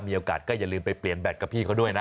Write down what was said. มีโอกาสก็อย่าลืมไปเปลี่ยนแบตกับพี่เขาด้วยนะ